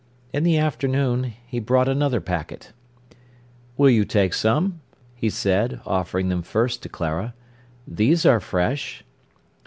In the afternoon he brought another packet. "Will you take some?" he said, offering them first to Clara. "These are fresh."